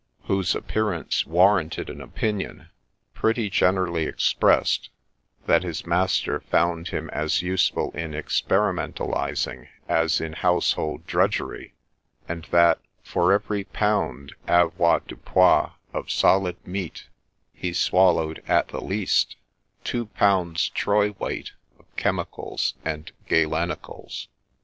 BOTHERBY'S STORY whose appearance warranted an opinion, pretty generally ex pressed, that his master found him as useful in experimentalizing as in household drudgery ; and that, for every pound avoirdupois of solid meat, he swallowed, at the least, two pounds troy weight of chemicals and galenicals.